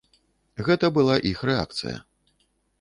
Гэта была іх рэакцыя.